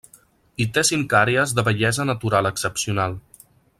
I té cinc àrees de bellesa natural excepcional.